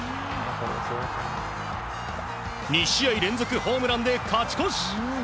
２試合連続ホームランで勝ち越し。